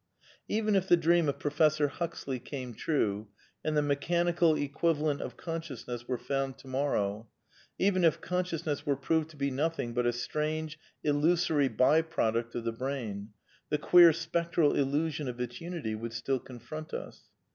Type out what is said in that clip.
Even if the dream of Professor I PAN PSYCHISM OF SAMUEL BUTLER 39 Huxley came true, and the "mechanical equivalent of consciousness " were found to morrow, even if conscious ness were proved to be nothing but a strange illusory by product of the brain, the queer spectral illusion of its unity would still confront us.